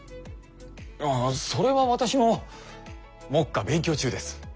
ああそれは私も目下勉強中です。